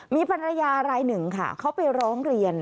มีภรรยารายหนึ่งค่ะเขาไปร้องเรียน